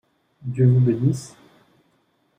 Dieu vous bénisse !